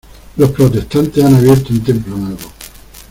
Los protestantes han abierto un templo nuevo.